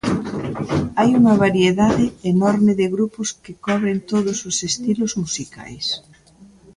Hai unha variedade enorme de grupos que cobren todos os estilos musicais.